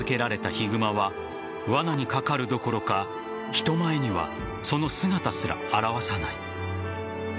ヒグマはわなにかかるどころか人前には、その姿すら現さない。